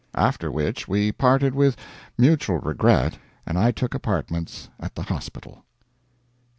After which we parted with mutual regret, and I took apartments at the hospital.